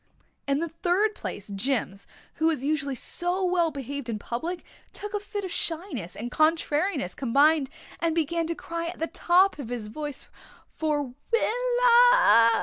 In the third place, Jims, who was usually so well behaved in public, took a fit of shyness and contrariness combined and began to cry at the top of his voice for "Willa."